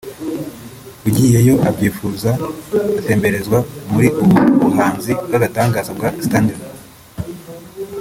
ugiyeyo abyifuza atemberezwa muri ubu buhanzi bw’agatangaza bwa Stanley